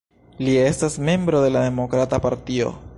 Li estas membro de la Demokrata partio.